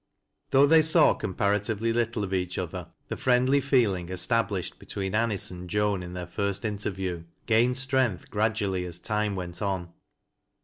Though they saw comparatively little of each other, the friendly feeling established between Aniee and Joan, in their first interview, gained strength gradually as time went on.